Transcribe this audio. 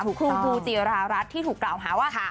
ถูกต้องคุณครูจิรารัสที่ถูกกล่าวหาว่าค่ะ